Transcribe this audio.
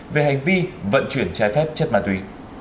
về hành vi vận chuyển trái phép chất ma túy